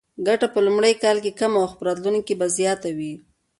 ګټه به په لومړي کال کې کمه خو په راتلونکي کې به زیاته وي.